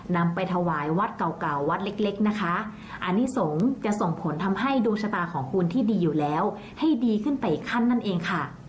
นำไปถวายวัดเก่าเก่าวัดเล็กเล็กนะคะอันนี้สงฆ์จะส่งผลทำให้ดวงชะตาของคุณที่ดีอยู่แล้วให้ดีขึ้นไปอีกขั้นนั่นเองค่ะ